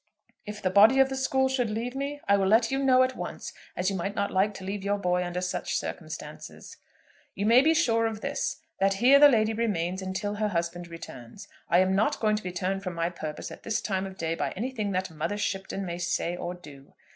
If the body of the school should leave me I will let you know at once as you might not like to leave your boy under such circumstances. "You may be sure of this, that here the lady remains until her husband returns. I am not going to be turned from my purpose at this time of day by anything that Mother Shipton may say or do.